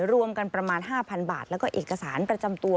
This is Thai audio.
รวมกันประมาณ๕๐๐บาทแล้วก็เอกสารประจำตัว